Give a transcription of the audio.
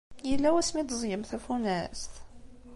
Yella wasmi i d-teẓẓgem tafunast?